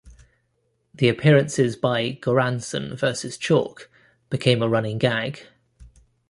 The appearances by Goranson versus Chalke became a running gag.